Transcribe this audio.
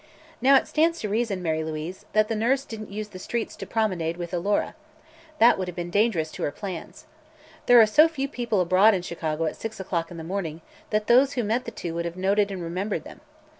Now, it stands to reason, Mary Louise, that the nurse didn't use the streets to promenade with. Alora. That would have been dangerous to her plans. There are so few people abroad in Chicago at six o'clock in the morning that those who met the two would have noted and remembered them.